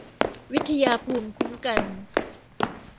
วิทยาภูมิคุ้มกัน